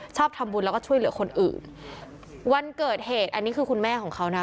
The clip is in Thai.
ชอบทำบุญแล้วก็ช่วยเหลือคนอื่นวันเกิดเหตุอันนี้คือคุณแม่ของเขานะ